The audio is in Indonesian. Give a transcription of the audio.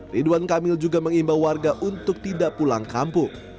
ridwan kamil juga mengimbau warga untuk tidak pulang kampung